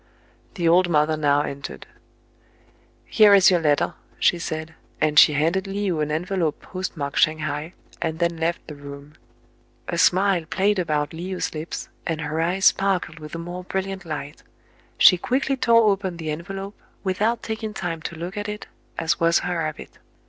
The old mother now entered. " Here is your letter," she said ; and she handed Le ou an envelope postmarked Shang hai, and then left the room. A smile played about Le ou's lips, and her eyes sparkled with a more brilliant light. She quickly tore open the envelope, without taking time to look at it, as was her habit.